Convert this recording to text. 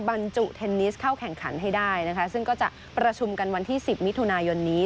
บรรจุเทนนิสเข้าแข่งขันให้ได้นะคะซึ่งก็จะประชุมกันวันที่๑๐มิถุนายนนี้